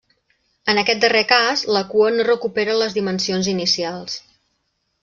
En aquest darrer cas, la cua no recupera les dimensions inicials.